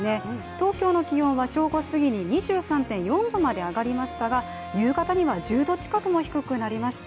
東京の気温は正午過ぎに２３．４度まで上がりましたが夕方には１０度近くも低くなりました。